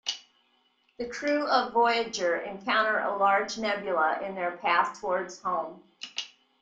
The crew of "Voyager" encounter a large nebula in their path towards home.